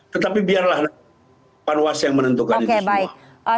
tetapi biarlah panwas yang menentukan itu semua